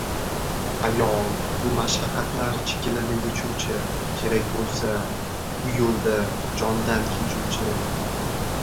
Ayol, bu mashaqqatlar chigilini yechuvchi, kerak bo‘lsa bu yo‘lda jondan kechuvchi